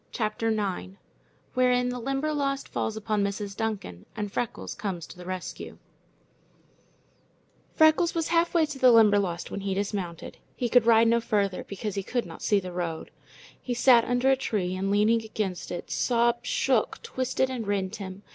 CHAPTER IX Wherein the Limberlost Falls upon Mrs. Duncan and Freckles Comes to the Rescue Freckles was halfway to the Limberlost when he dismounted. He could ride no farther, because he could not see the road. He sat under a tree, and, leaning against it, sobs shook, twisted, and rent him.